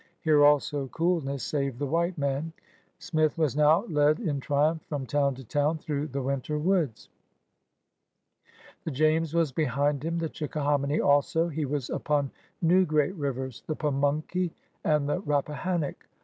Here also coolness saved the white man. Smith was now led in triumph from town to town through the winter woods. The James was behind hiin, the Chickahominy also; he was upon new great rivers, the Pamunkey and the Rappahannock.